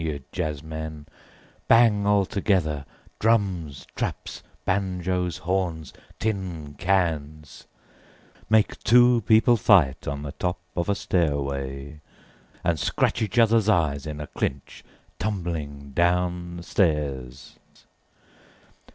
you jazzmen, bang altogether drums, traps, banjoes, horns, tin cans—make two people fight on the top of a stairway and scratch each other's eyes in a clinch tumbling down the stairs.